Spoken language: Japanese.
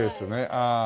ああ。